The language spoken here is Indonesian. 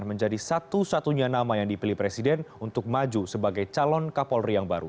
menjadi satu satunya nama yang dipilih presiden untuk maju sebagai calon kapolri yang baru